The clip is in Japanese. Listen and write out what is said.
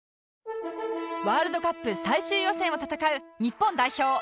ワールドカップ最終予選を戦う日本代表